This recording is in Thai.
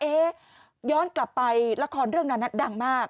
ย้อนกลับไปละครเรื่องนั้นดังมาก